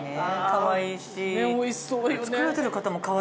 かわいいわ。